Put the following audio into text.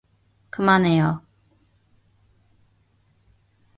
그만해요.